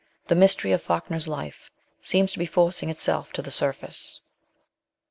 The mystery of Falkner's life seems to be forcing itself to the surface.